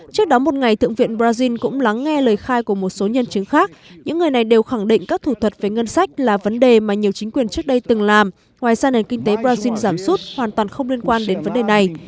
trước đó một ngày thượng viện brazil cũng lắng nghe lời khai của một số nhân chứng khác những người này đều khẳng định các thủ thuật về ngân sách là vấn đề mà nhiều chính quyền trước đây từng làm ngoài ra nền kinh tế brazil giảm sút hoàn toàn không liên quan đến vấn đề này